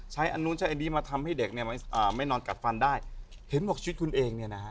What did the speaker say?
อันนู้นใช้อันนี้มาทำให้เด็กเนี่ยไม่นอนกัดฟันได้เห็นบอกชีวิตคุณเองเนี่ยนะฮะ